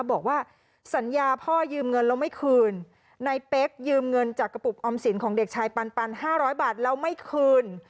บอกว่าสัญญาพ่อยืมเงินแล้วไม่คืนนายเป๊กยืมเงินจากกระปุกออมสินของเด็กชายปันปัน๕๐๐บาทแล้วไม่คืน